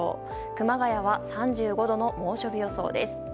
熊谷は３５度の猛暑日予想です。